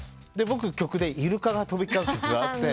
僕曲でイルカが飛び交う曲があって。